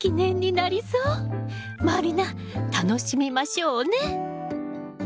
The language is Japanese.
満里奈楽しみましょうね。